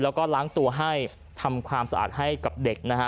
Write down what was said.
แล้วก็ล้างตัวให้ทำความสะอาดให้กับเด็กนะฮะ